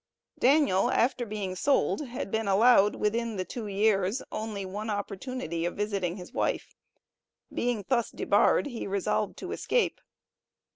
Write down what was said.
Daniel, after being sold, had been allowed, within the two years, only one opportunity of visiting his wife; being thus debarred he resolved to escape.